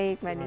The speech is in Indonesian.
baik mbak diya